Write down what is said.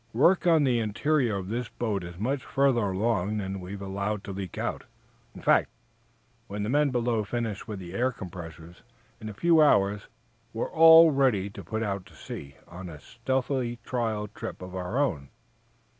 Work on the interior of this boat is much further along than we've allowed to leak out. In fact, when the men below finish with the air compressors, in a few hours, we're all ready to put out to sea on a stealthy trial trip of our own."